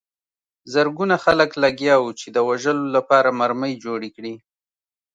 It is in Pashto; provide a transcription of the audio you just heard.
زرګونه خلک لګیا وو چې د وژلو لپاره مرمۍ جوړې کړي